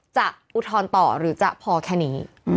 อุทธรณ์ต่อหรือจะพอแค่นี้